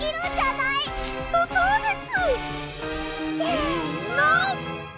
きっとそうです！せの！